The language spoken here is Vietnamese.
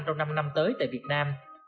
trong năm năm tới tại việt nam